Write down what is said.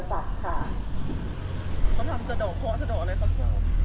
สวัสดีครับ